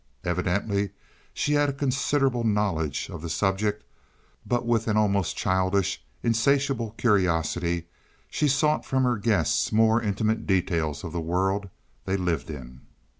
Evidently she had a considerable knowledge of the subject, but with an almost childish insatiable curiosity she sought from her guests more intimate details of the world they lived in.